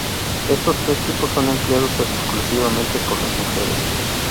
Estos tres tipos son empleados exclusivamente por las mujeres.